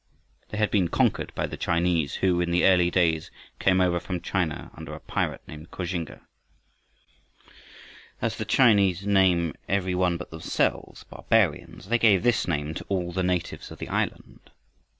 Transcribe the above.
They had been conquered by the Chinese, who in the early days came over from China under a pirate named Koxinga. As the Chinese name every one but themselves "barbarians," they gave this name to all the natives of the island.